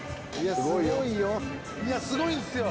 いやすごいよ。